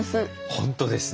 本当ですね。